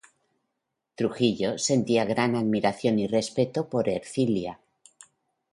Trujillo sentía gran admiración y respecto por Ercilia.